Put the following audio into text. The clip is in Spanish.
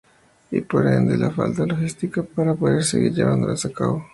Y por ende la falta de logística para poder seguir llevándolas a cabo.